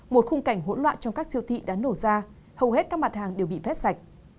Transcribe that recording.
một khung cảnh hỗn loạn trong các siêu thị đã nổ ra hầu hết các mặt hàng đều bị vét sạch